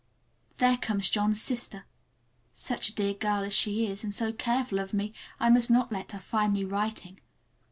There comes John's sister. Such a dear girl as she is, and so careful of me! I must not let her find me writing.